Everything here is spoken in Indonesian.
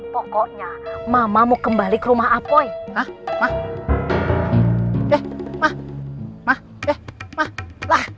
pokoknya mama mau kembali ke rumah apa